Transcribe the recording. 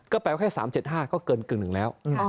แปลว่าแค่๓๗๕ก็เกินกึ่งหนึ่งแล้ว